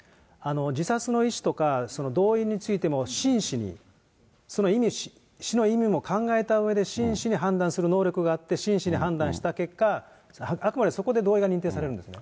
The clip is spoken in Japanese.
自殺の意思とか、同意についても、真摯に、その死の意味を考えたうえで、真摯に判断する能力があって、真摯に判断した結果、あくまでそこで同意が認定されるんですね。